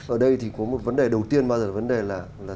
ở đây thì có một vấn đề đầu tiên bao giờ vấn đề là